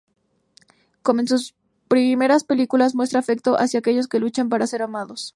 Como en sus primeras películas, muestra afecto hacia aquellos que luchan para ser amados.